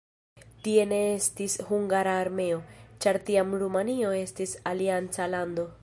Tie ne estis hungara armeo, ĉar tiam Rumanio estis alianca lando.